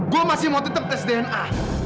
gue masih mau tetap tes dna